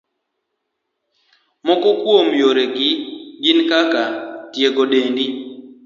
Moko kuom yorego gin kaka, tiego dendi.